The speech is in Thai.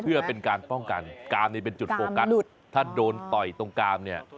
เพื่อเป็นการป้องกันกามนี่เป็นจุดโฟกัสถ้าโดนต่อยตรงกามเนี่ย